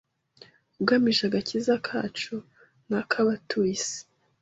ugamije agakiza kacu n’ak’abatuye isi